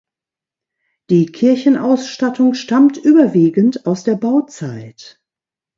Die Kirchenausstattung stammt überwiegend aus der Bauzeit.